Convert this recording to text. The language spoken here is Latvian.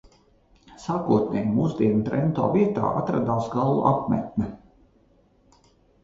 Sākotnēji mūsdienu Trento vietā atradās gallu apmetne.